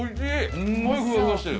すんごいふわふわしてる。